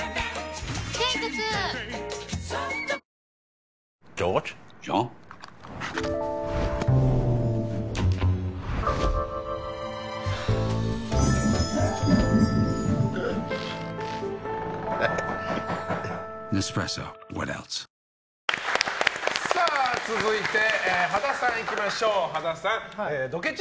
ペイトク続いて、羽田さん行きましょう。